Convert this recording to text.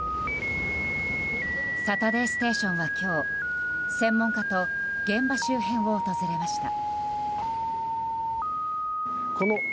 「サタデーステーション」は今日専門家と現場周辺を訪れました。